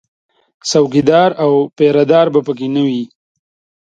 څوکیدار او پیره دار به په کې نه وي